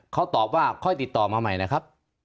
เขาตอบว่าค่อยติดต่อมาใหม่นะครับ